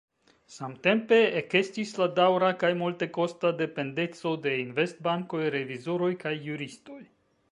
Samtempe ekestis la daŭra kaj multekosta dependeco de investbankoj, revizoroj kaj juristoj.